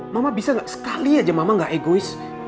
mama bisa nggak sekali aja mama gak egois